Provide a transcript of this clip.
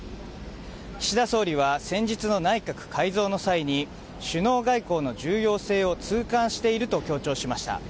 岸田総理は先日の内閣改造の際に、首脳外交の重要性を痛感していると強調しました。